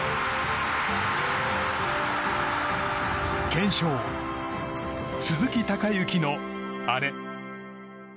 検証、鈴木隆行のあれ。